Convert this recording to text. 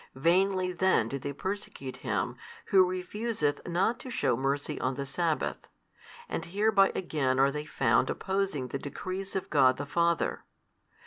Vainly then do they |255 persecute Him Who refuseth not to shew mercy on the sabbath, and hereby again are they found opposing the decrees of God the Father.